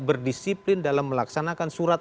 berdisiplin dalam melaksanakan surat